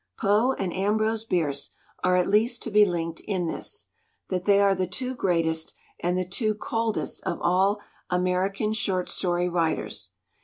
'Toe and Ambrose Bierce are at least to be linked in this: that they are the two greatest and the two coldest of all American short story writers.